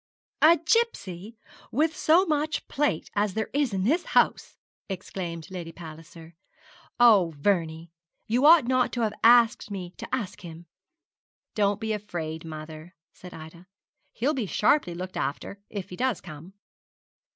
'A gipsy! and with so much plate as there is in this house!' exclaimed Lady Palliser. 'Oh, Vernie, you ought not to have asked me to ask him!' 'Don't be afraid, mother,' said Ida; 'he shall be sharply looked after, if he does come.'